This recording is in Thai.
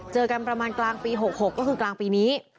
เจอกันประมาณกลางปี๖๖ก็คือกลางปีนี้